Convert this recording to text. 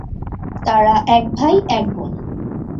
তারা এক ভাই এক বোন।